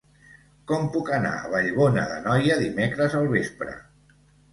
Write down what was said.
Com puc anar a Vallbona d'Anoia dimecres al vespre?